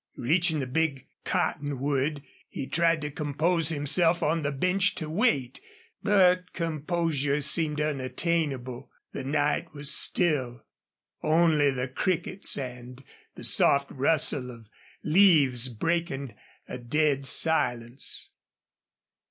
Reaching the big cottonwood, he tried to compose himself on the bench to wait. But composure seemed unattainable. The night was still, only the crickets and the soft rustle of leaves breaking a dead silence.